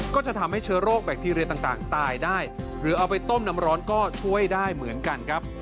ก็จะทำให้เชื้อโรคแบคทีเรียต่างตายได้หรือเอาไปต้มน้ำร้อนก็ช่วยได้เหมือนกันครับ